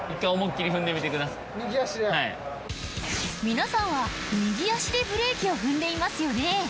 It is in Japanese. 皆さんは右足でブレーキを踏んでいますよね。